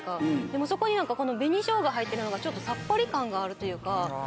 でもそこにこの紅しょうが入ってるのがちょっとサッパリ感があるというか。